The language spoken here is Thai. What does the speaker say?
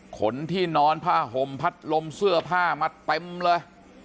ขนที่นอนผ้าห่มพัดลมเสื้อผ้ามาเต็มเลย